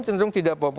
cenderung tidak populer